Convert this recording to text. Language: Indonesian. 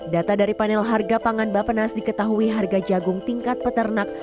data dari panel harga pangan bapenas diketahui harga jagung tingkat peternak